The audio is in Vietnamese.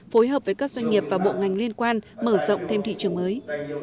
phối hợp với các doanh nghiệp và bộ ngành liên quan mở rộng thêm thị trường mới